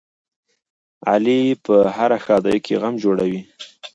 علي په هره ښادۍ کې غم جوړوي.